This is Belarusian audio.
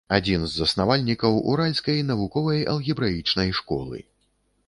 Адзін з заснавальнікаў уральскай навуковай алгебраічнай школы.